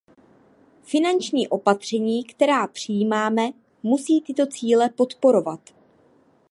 Finanční opatření, která přijímáme, musí tyto cíle podporovat.